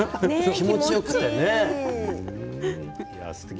気持ちよくて。